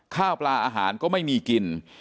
ข้าวปลาอาหารก็ไม่มีกิน